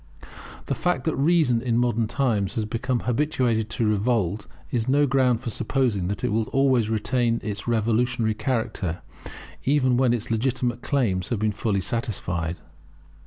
The fact that Reason in modern times has become habituated to revolt, is no ground for supposing that it will always retain its revolutionary character, even when its legitimate claims have been fully satisfied.